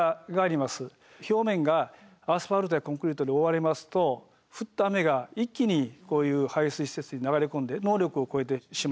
表面がアスファルトやコンクリートで覆われますと降った雨が一気にこういう排水施設に流れ込んで能力を超えてしまいやすくなる。